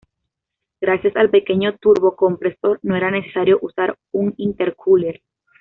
Gracias al pequeño turbocompresor no era necesario usar un intercooler.